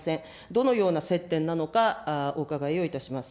どのような接点なのか、お伺いをいたします。